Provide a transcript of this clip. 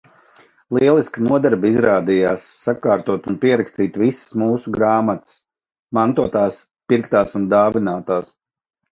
Lieliska nodarbe izrādījās sakārtot un pierakstīt visas mūsu grāmatas – mantotās, pirktās un dāvinātās.